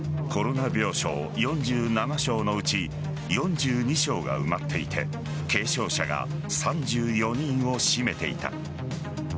コロナ病床４７床のうち４２床が埋まっていって軽症者が３４人を占めていた。